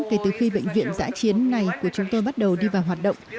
kể từ khi bệnh viện giã chiến này của chúng tôi bắt đầu đi vào hoạt động